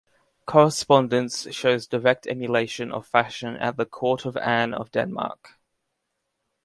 Correspondence shows direct emulation of fashion at the court of Anne of Denmark.